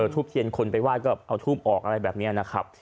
ทูบเทียนคนไปไห้ก็เอาทูปออกอะไรแบบนี้นะครับ